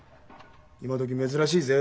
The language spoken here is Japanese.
今どき珍しいぜ。